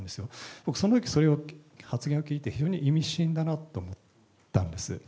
僕、そのとき、その発言を聞いて、非常に意味深だなと思ったんです。